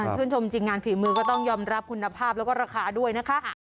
ชื่นชมจริงงานฝีมือก็ต้องยอมรับคุณภาพแล้วก็ราคาด้วยนะคะ